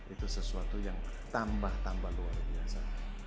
itu sesuatu yang tambah tambah luar biasa